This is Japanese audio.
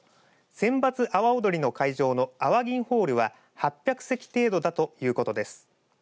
選抜阿波おどりの会場のあわぎんホールは８００席程度だということです。